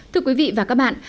thưa quý vị và các bạn